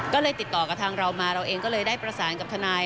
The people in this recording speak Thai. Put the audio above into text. ก็เลยติดต่อกับทางเรามาเราเองก็เลยได้ประสานกับทนาย